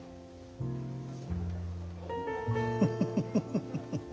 フフフフフ。